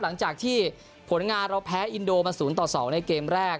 หลังจากที่ผลงานเราแพ้อินโดมา๐ต่อ๒ในเกมแรก